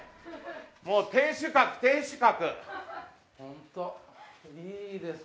もう天守閣天守閣。